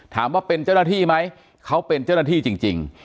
ถามว่าเป็นเจ้าหน้าที่ไหมเขาเป็นเจ้าหน้าที่จริง